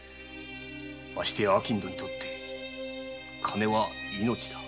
ましてや商人にとって金は命だ。